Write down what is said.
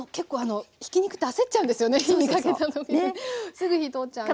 すぐ火通っちゃうんで。